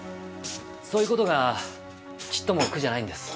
そういう事がちっとも苦じゃないんです。